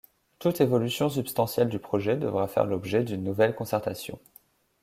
Toute évolution substantielle du projet devra faire l’objet d’une nouvelle concertation.